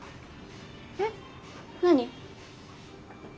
えっ何？